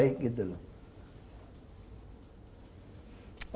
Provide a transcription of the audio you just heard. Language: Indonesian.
itu kita mesti duduk dulu baik baik